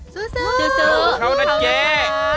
สู้สู้เข้านั้นแจ๊